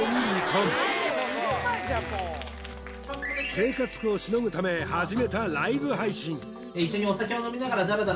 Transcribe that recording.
生活苦を凌ぐため始めたライブ配信